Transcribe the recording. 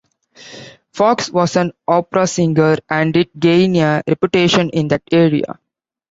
Fox was an opera singer and did gain a reputation in that area.